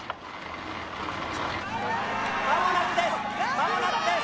間もなくです